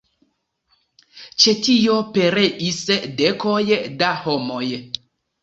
Ĉe tio pereis dekoj da homoj.